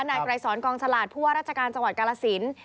นายไกรสอนกองฉลาดผู้ว่าราชการจังหวัดกาลสิน